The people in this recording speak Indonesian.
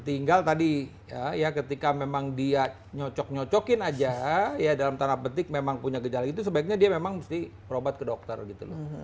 tinggal tadi ya ketika memang dia nyocok nyocokin aja ya dalam tanah petik memang punya gejala itu sebaiknya dia memang mesti berobat ke dokter gitu loh